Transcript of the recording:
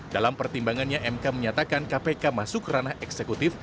dalam pertimbangannya mk menyatakan kpk masuk ranah eksekutif